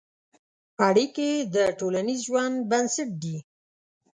اړیکې د ټولنیز ژوند بنسټ دي.